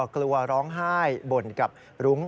กลัวร้องไห้บ่นกับรุ้ง